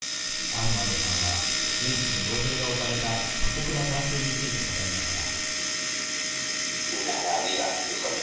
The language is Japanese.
アフマドさんは現地のよう兵が置かれた過酷な環境について語りました。